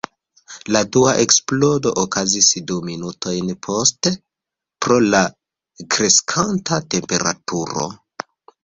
La dua eksplodo okazis du minutojn poste pro la kreskanta temperaturo.